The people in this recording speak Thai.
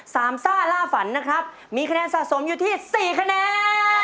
ซ่าล่าฝันนะครับมีคะแนนสะสมอยู่ที่สี่คะแนน